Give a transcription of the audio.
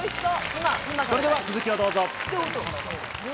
それでは続きをどうぞ。